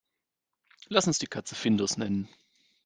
Lass uns die Katze Findus nennen.